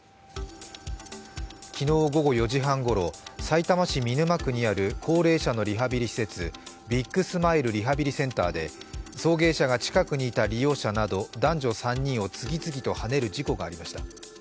昨日午後４時半ごろ、さいたま市見沼区にある高齢者のリハビリ施設ビッグスマイルリハビリセンターで送迎車が近くにいた利用者など、男女３人を次々とはねる事故がありました。